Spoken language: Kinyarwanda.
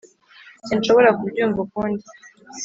sinshobora kubyumva ukundi.